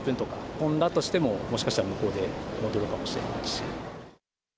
飛んだとしても、もしかしたら向こうで戻るかもしれないし。